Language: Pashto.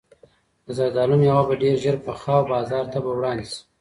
د زردالو مېوه به ډېر ژر پخه او بازار ته به وړاندې شي.